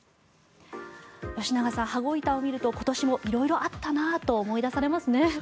吉永さん、羽子板を見ると今年も色々あったなと思い出されますね。